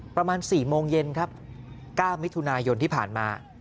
ประมาณ๔โมงเย็นครับ๙มิถุนายนที่ผ่านมา